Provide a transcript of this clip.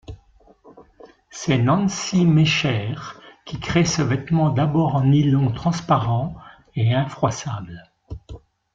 C'est Nancy Mecher qui crée ce vêtement d'abord en nylon transparent et infroissable.